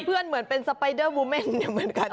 เพื่อนเหมือนเป็นสไปเดอร์วูเมนเหมือนกัน